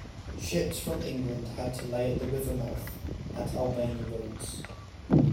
Ships from England had to lay at the river mouth at Albany Roads.